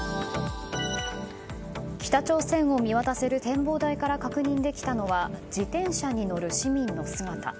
北朝鮮を見渡せる展望台から確認できたのは自転車に乗る市民の姿。